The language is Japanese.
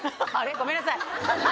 ごめんなさい。